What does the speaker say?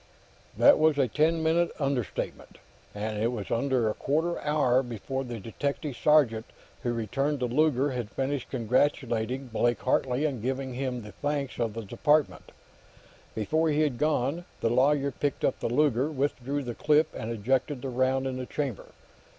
That was a ten minute under estimate, and it was another quarter hour before the detective sergeant who returned the Luger had finished congratulating Blake Hartley and giving him the thanks of the Department. After he had gone, the lawyer picked up the Luger, withdrew the clip, and ejected the round in the chamber.